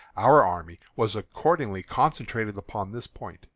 Our army was accordingly concentrated upon this point.